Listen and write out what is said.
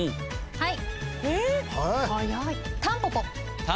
はい。